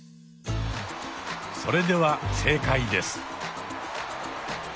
それでは正解です。